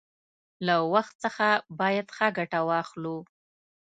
له وخت څخه باید ښه گټه واخلو.